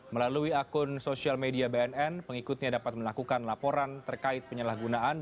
melalui akun sosial media bnn pengikutnya dapat melakukan laporan terkait penyalahgunaan